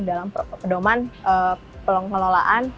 dalam pedoman pengelolaan